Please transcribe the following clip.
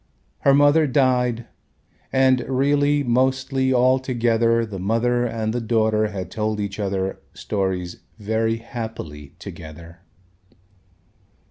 Her mother died and really mostly altogether the mother and the daughter had told each other stories very happily together.